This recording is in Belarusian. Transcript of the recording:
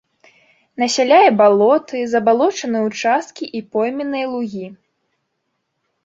Насяляе балоты, забалочаныя ўчасткі і пойменныя лугі.